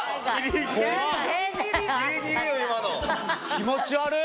気持ち悪っ。